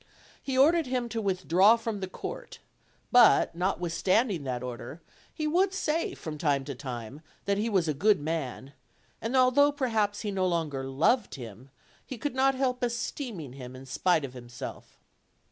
He ordered him to withdraw from the court; but, notwithstanding that order, he would say from time to time that he was a good man; and although perhaps he no longer loved him, he could not help esteeming him in spite of him self.